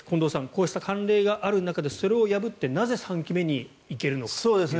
こうした慣例がある中でそれを破ってなぜ３期目に行けるのかということです。